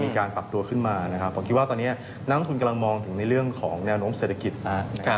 มีการปรับตัวขึ้นมานะครับผมคิดว่าตอนนี้นักลงทุนกำลังมองถึงในเรื่องของแนวโน้มเศรษฐกิจนะครับ